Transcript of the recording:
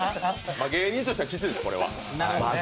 芸人としては吉です、これは。